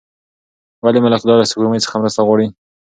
ولې ملکیار له سپوږمۍ څخه مرسته غواړي؟